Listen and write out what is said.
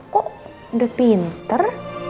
kok udah pinter